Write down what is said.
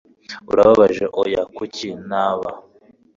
Urababaje?" "Oya. Kuki naba?"